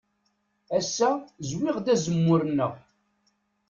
Ass-a zwiɣ-d azemmur-nneɣ.